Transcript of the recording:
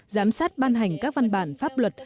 giám sát ban hành các văn bản pháp luật